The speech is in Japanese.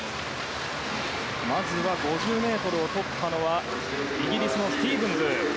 まずは５０ｍをとったのはイギリスのスティーブンス。